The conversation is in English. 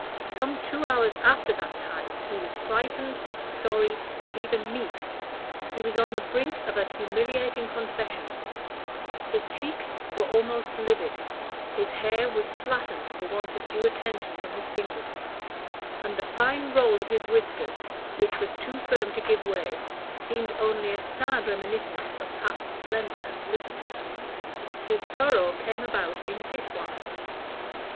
Some two hours after that time he was frightened, sorry, and even meek; he was on the brink of a humiliating confession; his cheeks were almost livid; his hair was flattened for want of due attention from his fingers; and the fine roll of his whiskers, which was too firm to give way, seemed only a sad reminiscence of past splendor and felicity. His sorrow came about in this wise.